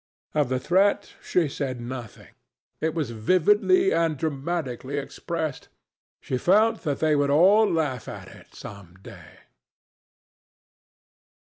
Of the threat she said nothing. It was vividly and dramatically expressed. She felt that they would all laugh at it some day.